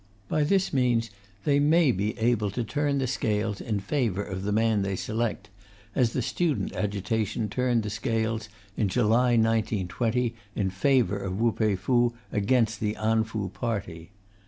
By this means they may be able to turn the scales in favour of the man they select, as the student agitation turned the scales in July 1920 in favour of Wu Pei Fu against the An Fu party.